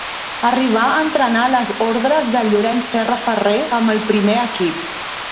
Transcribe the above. Arribà a entrenar a les ordres de Llorenç Serra Ferrer amb el primer equip.